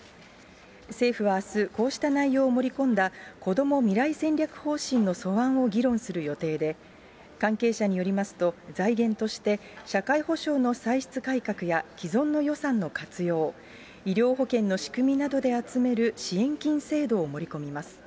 政府はあす、こうした内容を盛り込んだこども未来戦略方針の素案を議論する予定で、関係者によりますと、財源として社会保障の歳出改革や既存の予算の活用、医療保険の仕組みなどで集める支援金制度を盛り込みます。